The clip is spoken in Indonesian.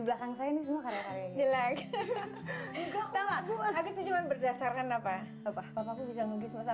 belakang saya ini semua karya karya yang nilai aku cuma berdasarkan apa apa bisa nunggu semasa